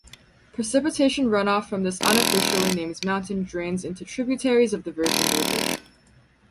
Precipitation runoff from this unofficially named mountain drains into tributaries of the Virgin River.